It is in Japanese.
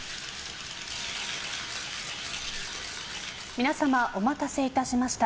皆様お待たせいたしました。